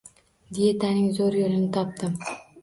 Dietaning zo'r yo'lini topdim